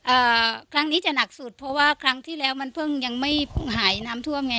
เอ่อครั้งนี้จะหนักสุดเพราะว่าครั้งที่แล้วมันเพิ่งยังไม่หายน้ำท่วมไง